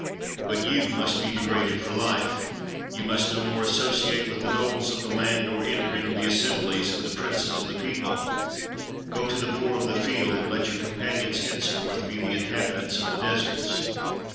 But you must be degraded for life. You must no more associate with the nobles of the land, nor enter into the assemblies of the princes of 384 A VISIT TO KING MOSELEKATSE the people. Go to the poor of the field ; and let your com panions henceforth be the inhabitants of the deserts."